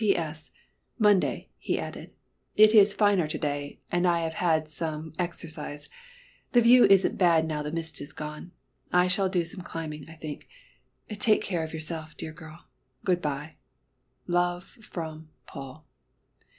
"P. S. Monday," he added. "It is finer to day, and I have had some exercise. The view isn't bad now the mist has gone. I shall do some climbing, I think. Take care of yourself, dear girl. Good bye. "Love from "PAUL."